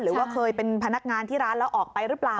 หรือว่าเคยเป็นพนักงานที่ร้านแล้วออกไปหรือเปล่า